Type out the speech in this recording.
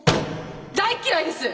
大っ嫌いです！